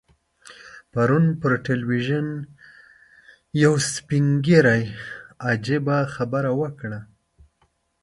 پرون پر ټلویزیون یو سپین ږیري عجیبه خبره وکړه.